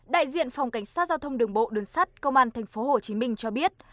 đại diện phòng cảnh sát giao thông đường bộ đường sát công an tp hcm cho biết